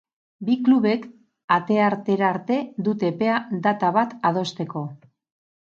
Bi klubek ateartera arte dute epea data bat adosteko.